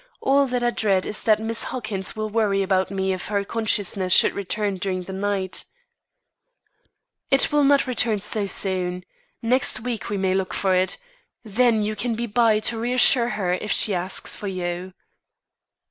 All that I dread is that Miss Huckins will worry about me if her consciousness should return during the night." "It will not return so soon. Next week we may look for it. Then you can be by to reassure her if she asks for you."